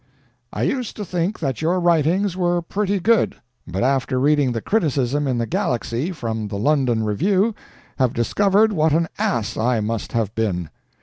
I used to think that your writings were pretty good, but after reading the criticism in The Galaxy from the London Review, have discovered what an ass I must have been.